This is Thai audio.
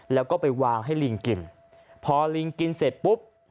แล้วก็ไปวางให้ลิงกินพอลิงกินเสร็จปุ๊บ